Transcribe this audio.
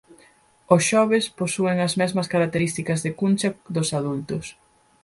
Os xoves posúen as mesmas características de cuncha dos adultos.